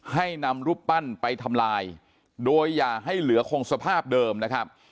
ให้นำรูปปั้นไปทำลายโดยอย่าให้เหลือคงสภาพเดิมนะครับ